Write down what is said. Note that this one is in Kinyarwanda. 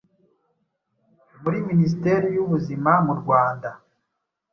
muri Minisiteri y’Ubuzima murwanda